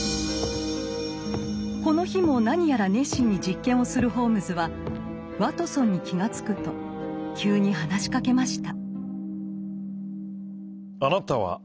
この日も何やら熱心に実験をするホームズはワトソンに気が付くと急に話しかけました。